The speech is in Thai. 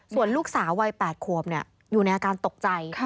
ส่วนลูกสาววัย๘ขวบอยู่ในอาการตกใจ